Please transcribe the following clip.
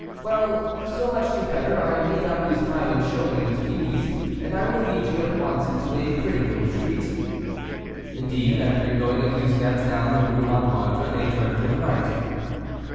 "Well, so much the better; I need not lose time in showing you its beauties, and I will lead you at once into a pretty little street." Indeed, after going a few steps down the Rue Montmartre, they turned to the right.